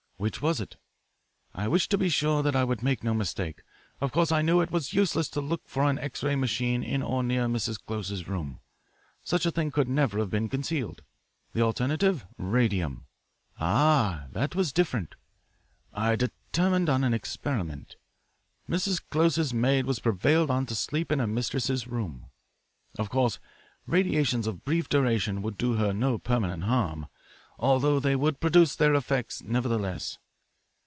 Which was it? I wished to be sure that I would make no mistake. Of course I knew it was useless to look for an X ray machine in or near Mrs. Close's room. Such a thing could never have been concealed. The alternative? Radium! Ah! that was different. I determined on an experiment. Mrs. Close's maid was prevailed on to sleep in her mistress's room. Of course radiations of brief duration would do her no permanent harm, although they would produce their effect, nevertheless.